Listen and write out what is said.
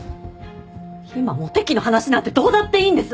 今モテ期の話なんてどうだっていいんです！